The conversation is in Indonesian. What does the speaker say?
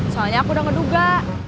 soalnya aku udah ngeduga